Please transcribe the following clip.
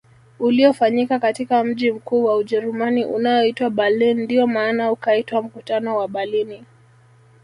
Uliofanyika katika mji mkuu wa Ujerumani unaoitwa Berlin ndio maana ukaitwa mkutano wa Berlini